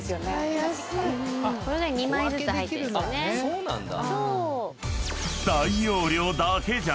そうなんだ。